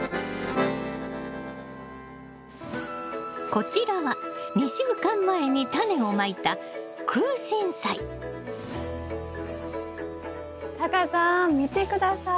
こちらは２週間前にタネをまいたタカさん見て下さい。